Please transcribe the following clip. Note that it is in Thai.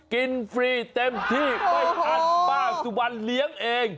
ฟรีเต็มที่ไม่อั้นป้าสุวรรณเลี้ยงเอง